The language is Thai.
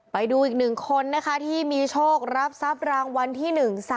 ไปดูอีกหนึ่งคนนะคะที่มีโชครับทรัพย์รางวัลที่๑๓